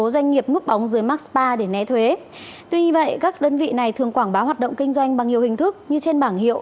đơn vị này thường quảng báo hoạt động kinh doanh bằng nhiều hình thức như trên bảng hiệu